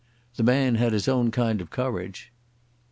The man had his own kind of courage.